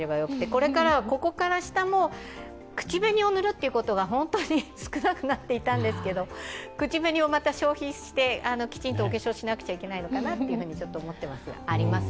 これからはここから下も、口紅を塗るということが本当に少なくなっていたんですけど、口紅をまた消費してきちんとお化粧しなくちゃいけないのかなと思っています。